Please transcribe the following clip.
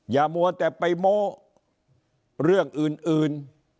มัวแต่ไปโม้เรื่องอื่น